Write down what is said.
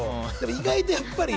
意外と、やっぱり。